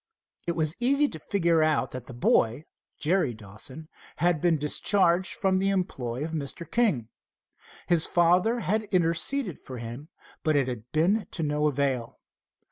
It was easy to figure out that the boy, Jerry Dawson, had been discharged from the employ of Mr. King. His father had interceded for him, but it had been of no avail.